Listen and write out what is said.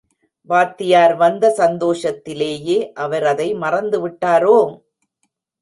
வாத்தியார் வந்த சந்தோஷத்திலேயே, அவர் அதை மறந்து விட்டாரோ?